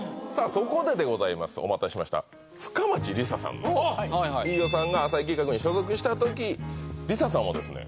そこででございますお待たせしました深町理沙さんの飯尾さんが浅井企画に所属した時理沙さんはですね